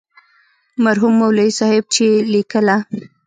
مرحوم مولوي صاحب چې لیکله.